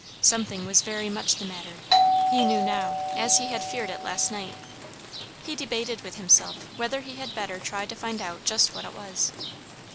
Something was very much the matter, he knew now, as he had feared it last night. He debated with himself whether he had better try to find out just what it was.